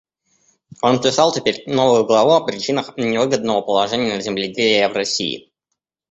Он писал теперь новую главу о причинах невыгодного положения земледелия в России.